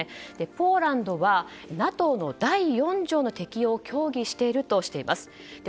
ポーランドはＮＡＴＯの第４条の適用を協議しているとしています。